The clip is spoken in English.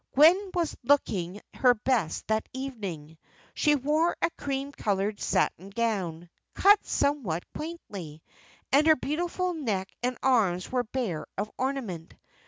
Gwen was looking her best that evening. She wore a cream coloured satin gown, cut somewhat quaintly, and her beautiful neck and arms were bare of ornament.